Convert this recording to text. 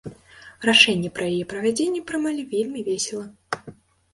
Рашэнне пра яе правядзенне прымалі вельмі весела.